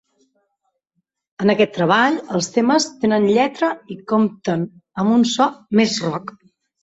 En aquest treball, els temes tenen lletra i compten amb un so més rock.